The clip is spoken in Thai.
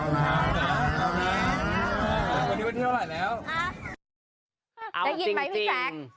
ได้ยินไหมพี่แจ็ค